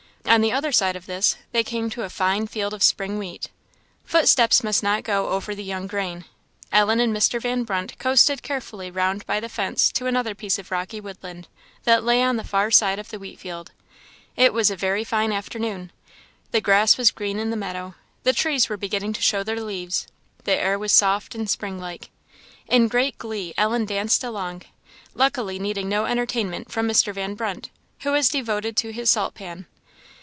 On the other side of this, they came to a fine field of spring wheat. Footsteps must not go over the young grain; Ellen and Mr. Van Brunt coasted carefully round by the fence to another piece of rocky woodland, that lay on the far side of the wheat field. It was a very fine afternoon. The grass was green in the meadow; the trees were beginning to show their leaves; the air was soft and spring like. In great glee Ellen danced along, luckily needing no entertainment from Mr. Van Brunt, who was devoted to his salt pan.